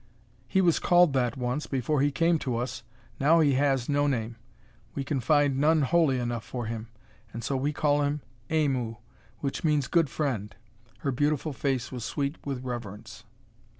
"He was called that once, before he came to us. Now he has no name. We can find none holy enough for him; and so we call him Aimu, which means good friend." Her beautiful face was sweet with reverence.